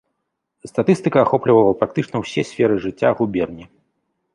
Статыстыка ахоплівала практычна ўсе сферы жыцця губерні.